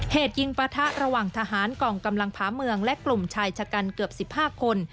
เหตุยิงปะทะระหว่างทหารกองกำลังผาเมืองและกลุ่มชายชะกันเกือบ๑๕คน